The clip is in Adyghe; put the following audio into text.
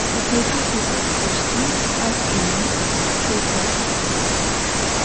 Зытетым тетэу пlощтмэ, ащ зи емыкlу хэлъэп